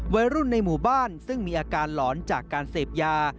วัยรุ่นในหมู่บ้านซึ่งมีอาการหลอนจากการเสพยา